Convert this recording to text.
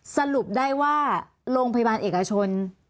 สรุปได้ว่าโรงพยาบาลเอกชน